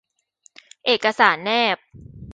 เอกสารแนบ